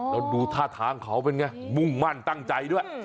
แล้วดูท่าทางเขาเป็นไงมุ่งมั่นตั้งใจด้วย